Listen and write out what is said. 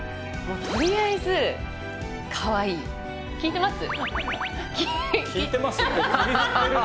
とりあえずかわいい「聞いてます？」